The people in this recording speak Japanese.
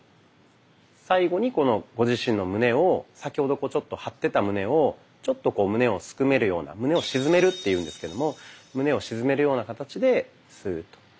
最後にこのご自身の胸を先ほどちょっと張ってた胸をちょっと胸をすくめるような胸を沈めるっていうんですけども胸を沈めるような形でスーッと。